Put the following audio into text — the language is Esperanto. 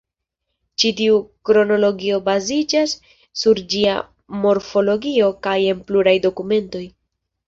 Ĉi tiu kronologio baziĝas sur ĝia morfologio kaj en pluraj dokumentoj.